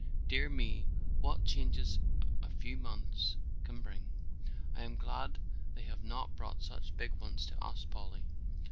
Dear me, what changes a few months can bring! I am glad they have not brought such big ones to us, Polly."